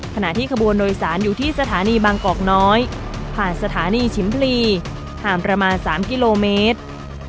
ขณะที่ขบวนโดยสารอยู่ที่สถานีบางกอกน้อยผ่านสถานีชิมพลีห่างประมาณ๓กิโลเมตร